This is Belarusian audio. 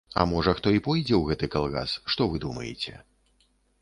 А можа, хто і пойдзе ў гэты калгас, што вы думаеце?